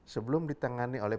sebelum ditangani oleh